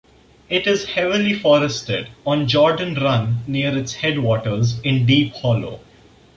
It is heavily forested, on Jordan Run near its headwaters, in Deep Hollow.